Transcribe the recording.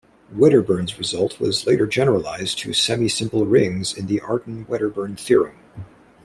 Wedderburn's result was later generalized to semisimple rings in the Artin-Wedderburn theorem.